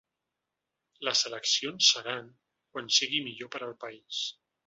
Les eleccions seran quan siguin millor per al país.